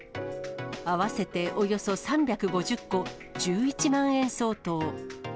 合わせておよそ３５０個、１１万円相当。